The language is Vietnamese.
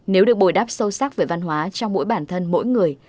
nếu được bồi đắp sâu sắc về văn hóa trong mỗi bản thân mỗi người